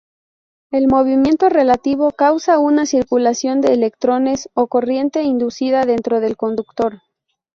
El movimiento relativo causa una circulación de electrones, o corriente inducida dentro del conductor.